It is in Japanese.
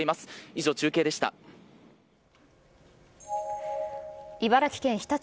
以上、中継でした。